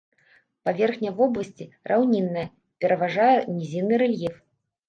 Паверхня вобласці раўнінная, пераважае нізінны рэльеф.